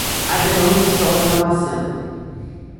Agenor de Souza Damasceno